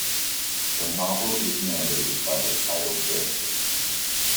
The novel is narrated by the title character.